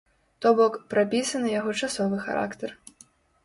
То бок, прапісаны яго часовы характар.